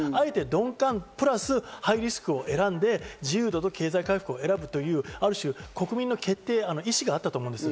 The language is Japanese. あえて鈍感＋ハイリスクを選んで自由度と経済回復を選ぶという、ある種、国民の決定、意思があったと思います。